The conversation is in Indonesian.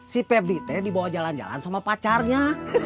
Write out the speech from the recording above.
si febri teh dibawa jalan jalan sama pacarnya